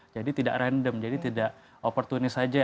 jadi tidak random jadi tidak opportunist saja